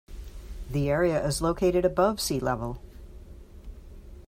The area is located above sea level.